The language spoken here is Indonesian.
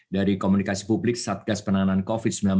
dari komunikasi publik satgas penanganan covid sembilan belas